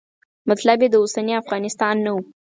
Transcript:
مطلب یې د اوسني افغانستان نه و.